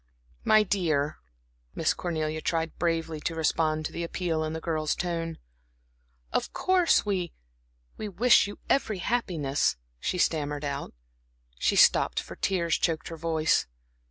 "My dear," Miss Cornelia tried bravely to respond to the appeal in the girl's tone. "Of course, we we wish you every happiness," she stammered out. She stopped, for tears choked her voice.